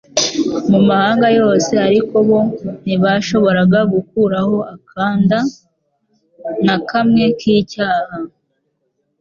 mu mahanga yose, ariko bo ntibashoboraga gukuraho akanda na kamwe k'icyaha.